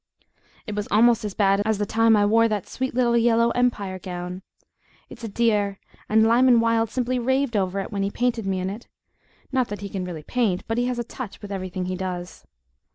It was almost as bad as the time I wore that sweet little yellow Empire gown. It's a dear, and Lyman Wilde simply raved over it when he painted me in it (not that he can really paint, but he has a TOUCH with everything he does).